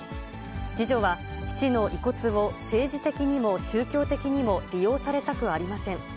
次女は父の遺骨を政治的にも宗教的にも利用されたくありません。